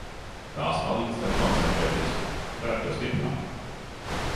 Tās palīdz tev koncentrēties, dara tevi stiprāku.